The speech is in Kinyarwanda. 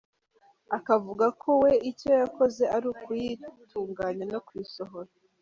Akavuga ko we icyo yakoze ari ukuyitunganya no kuyisohora.